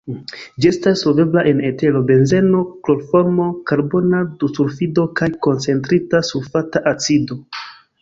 Ĝi estas solvebla en etero, benzeno, kloroformo, karbona dusulfido kaj koncentrita sulfata acido.